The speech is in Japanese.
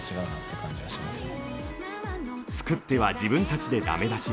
作っては自分たちでダメ出し。